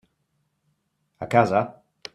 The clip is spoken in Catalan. A casa.